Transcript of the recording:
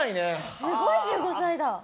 すごい１５歳だ。